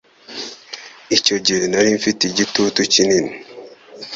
Icyo gihe nari mfite igitutu kinini.